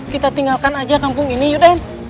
kita tinggalkan aja kampung ini yuk den